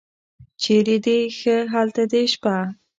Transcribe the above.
چېرې دې ښه هلته دې شپه.